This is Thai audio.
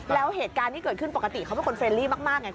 แล้วเหตุการณ์ที่เกิดขึ้นปกติเขาเป็นคนเรลลี่มากไง